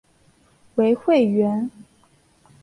为会员。